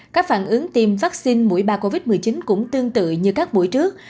các phản ứng tiêm vaccine mũi ba covid một mươi chín cũng tương tự như các buổi trước